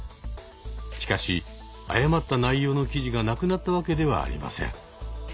しかし誤った内容の記事がなくなったわけではありません。